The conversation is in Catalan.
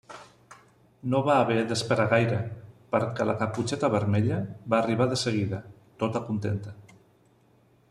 No va haver d'esperar gaire, perquè la Caputxeta Vermella va arribar de seguida, tota contenta.